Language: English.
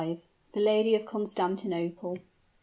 THE LADY OF CONSTANTINOPLE.